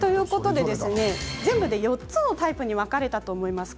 全部で４つのタイプに分かれたと思います。